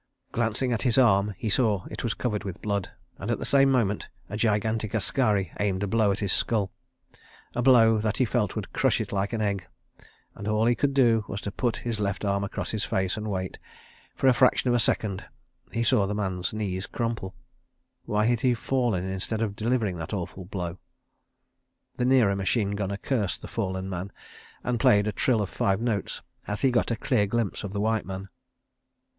Glancing at his arm he saw it was covered with blood, and, at the same moment, a gigantic askari aimed a blow at his skull—a blow that he felt would crush it like an egg ... and all he could do was to put his left arm across his face ... and wait ... for a fraction of a second. ... He saw the man's knees crumple. ... Why had he fallen instead of delivering that awful blow? The nearer machine gunner cursed the fallen man and played a trill of five notes as he got a clear glimpse of the white man.